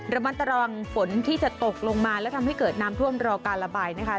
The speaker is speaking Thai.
ระมัดระวังฝนที่จะตกลงมาแล้วทำให้เกิดน้ำท่วมรอการระบายนะคะ